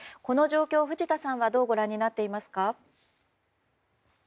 この状況を藤田さんはどうご覧になっていますか？